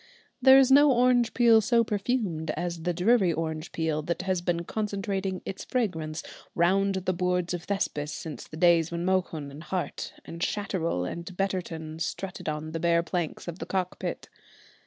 There is no orange peel so perfumed as the Drury orange peel that has been concentrating its fragrance round the boards of Thespis since the days when Mohun and Hart, and Shatterel and Betterton strutted on the bare planks of the Cockpit.